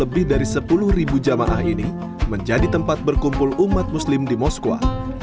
lebih dari sepuluh jamaah ini menjadi tempat berkumpul umat muslim di moskwa